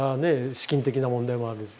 資金的な問題もある。